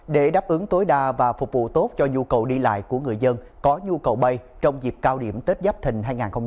để đáp ứng tối đa và phục vụ tốt cho nhu cầu đi lại của người dân có nhu cầu bay trong dịp cao điểm tết giáp thình hai nghìn hai mươi bốn